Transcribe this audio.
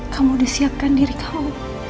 kamu udah siapkan diri kamu